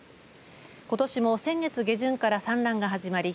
ことしも先月下旬から産卵が始まり